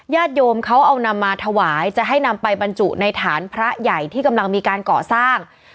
ญาติโยมเขาเอานำมาถวายจะให้นำไปบรรจุในฐานพระใหญ่ที่กำลังมีการก่อสร้าง